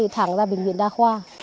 thẳng ra bệnh viện đa khoa